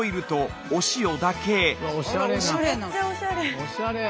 おしゃれな。